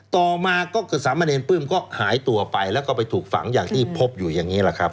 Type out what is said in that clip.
ต่อมาก็สามเณรปลื้มก็หายตัวไปแล้วก็ไปถูกฝังอย่างที่พบอยู่อย่างนี้แหละครับ